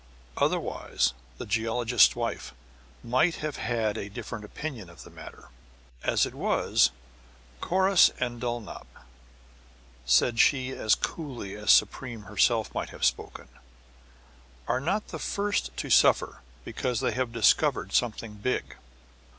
Otherwise, the geologist's wife might have had a different opinion of the matter. As it was "Corrus and Dulnop," said she as cooly as Supreme herself might have spoken, "are not the first to suffer because they have discovered something big."